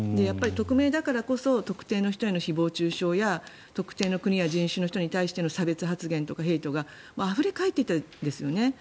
匿名だからこそ特定の人への誹謗・中傷や特定の国や人種の人に対しての差別発言とかヘイトがあふれ返っていたんですね。